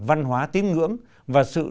văn hóa tín ngưỡng và sự